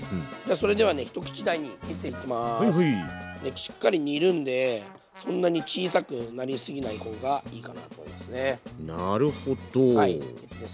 しっかり煮るんでそんなに小さくなりすぎない方がいいかなと思いますね。